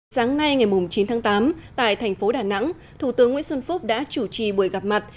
sáng nay ngày chín tháng tám tại thành phố đà nẵng thủ tướng nguyễn xuân phúc đã chủ trì buổi gặp mặt